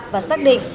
và xác định